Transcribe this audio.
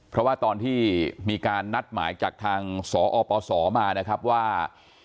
เพราะว่าตอนที่มีการนัดหมายจากทางสอปศมานะครับว่า